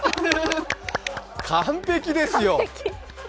完璧ですよ。